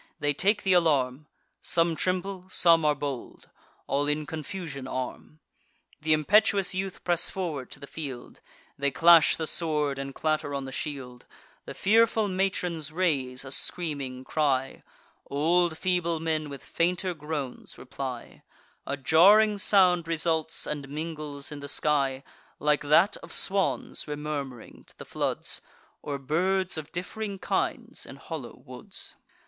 They take th' alarm: Some tremble, some are bold; all in confusion arm. Th' impetuous youth press forward to the field; They clash the sword, and clatter on the shield: The fearful matrons raise a screaming cry; Old feeble men with fainter groans reply; A jarring sound results, and mingles in the sky, Like that of swans remurm'ring to the floods, Or birds of diff'ring kinds in hollow woods.